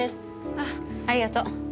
あっありがとう。